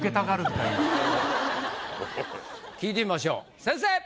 聞いてみましょう先生！